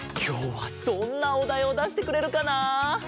きょうはどんなおだいをだしてくれるかな？